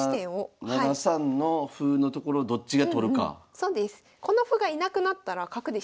そうです。